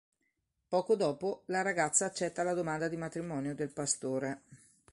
Poco dopo, la ragazza accetta la domanda di matrimonio del pastore.